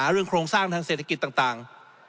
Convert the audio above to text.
เรื่องโครงสร้างธังเศรษฐกิจต่าง